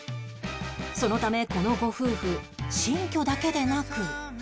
そのためこのご夫婦新居だけでなく